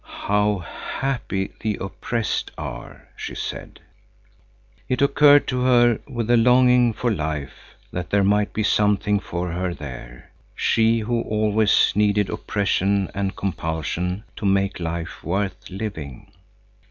"How happy the oppressed are," she said. It occurred to her, with a longing for life, that there might be something for her there, she who always needed oppression and compulsion to make life worth living.